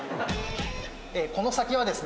この先はですね